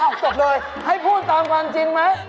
จบเลยให้พูดตามความจริงไหม